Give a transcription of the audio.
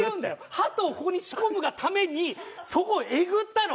ハトをここに仕込むがためにそこをえぐったの？